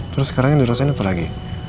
terus sekarang yang dirasain apa lagi